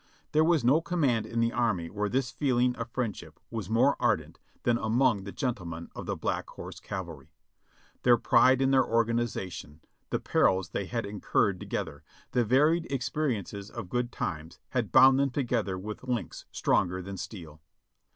There was no command in the army where this feeling of friendship was more ardent than among the gentlemen of the Black Horse Cavalry. Their pride in their organization, the perils they had incurred together, the varied experiences of good times had bound them together with links stronger than steel.